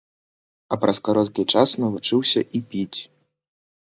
А праз кароткі час навучыўся і піць.